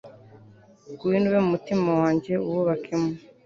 Ngwino ube mu mutima wanjye uwubakemo